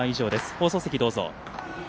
放送席どうぞ。